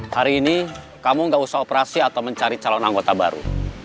hari ini kamu gak usah operasi atau mencari calon anggota baru